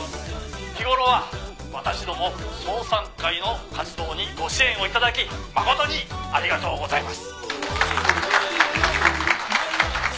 「日頃は私ども双三会の活動にご支援を頂き誠にありがとうございます」